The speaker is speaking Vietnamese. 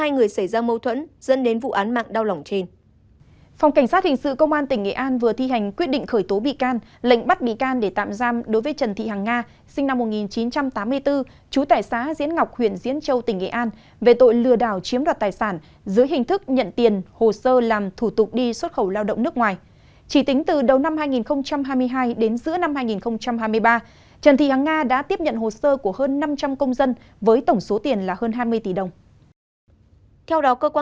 ngày một mươi chín tháng năm năm hai nghìn hai mươi bốn phòng cảnh sát hình sự công an tỉnh nghệ an đã thi hành quyết định khởi tố bị can lệnh bắt bị can để tạm giam đối với trần thị hàng nga về tội lừa đảo chiếm đoạt tài sản theo quy định tài khoản bốn điều một trăm bảy mươi bốn bộ luật hình sự